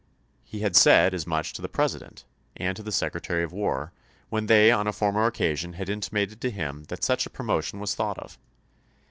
He had said as much to the President and to the Secretary of War, when they on a former occasion had inti mated to him that such a promotion was thought of.